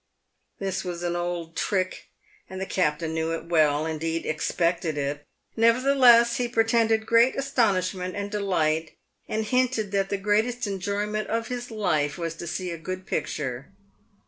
This was an old trick, and the captain knew it well — indeed, expected it. Nevertheless, he pretended great astonishment and de light, and hinted that the greatest enjoyment of his life was to see a good picture.